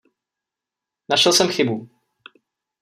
Našel jsem chybu.